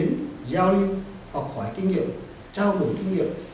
đến giao lưu học hỏi kinh nghiệm trao đổi kinh nghiệm